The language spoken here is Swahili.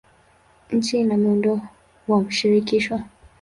Nchi ina muundo wa shirikisho.